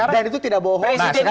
dan itu tidak bohong